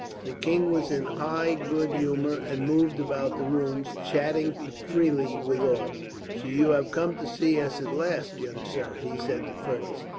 The king was in high good humour, and moved about the rooms, chatting freely with all. "So you have come to see us at last, young sir," he said to Fergus.